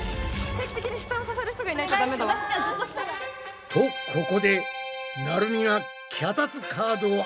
定期的に下を支える人がいないとダメだわ。とここでなるみが脚立カードをあげたぞ。